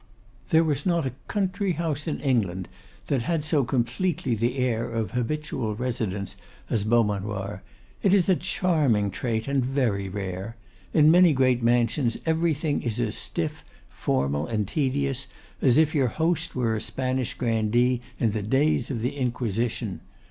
There was not a country house in England that had so completely the air of habitual residence as Beaumanoir. It is a charming trait, and very rare. In many great mansions everything is as stiff, formal, and tedious, as if your host were a Spanish grandee in the days of the Inquisition.